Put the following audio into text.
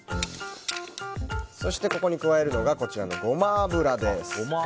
そして、ここに加えるのがゴマ油です。